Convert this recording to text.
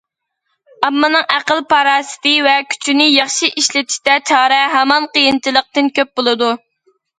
ئاممىنىڭ ئەقىل- پاراسىتى ۋە كۈچىنى ياخشى ئىشلىتىشتە چارە ھامان قىيىنچىلىقتىن كۆپ بولىدۇ.